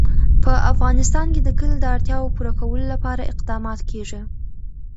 په افغانستان کې د کلي د اړتیاوو پوره کولو لپاره اقدامات کېږي.